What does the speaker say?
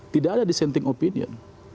tidak ada dissenting opinion